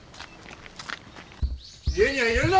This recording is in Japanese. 家には入れるな！